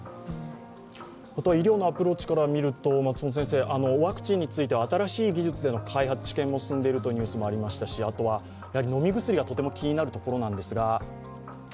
医療のアプローチから見るとワクチンについて新しい技術の開発・治験も進んでいるということですしあとは飲み薬も気になるところなんですが。